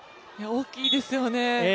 大きいですよね。